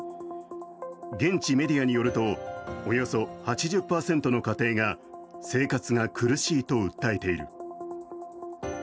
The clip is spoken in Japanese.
現地メディアによると、およそ８０％の家庭が生活が苦しいと訴えている。